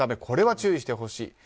これは注意してほしい。